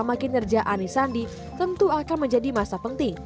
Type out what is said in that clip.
makin nyerja anis sandi tentu akan menjadi masa penting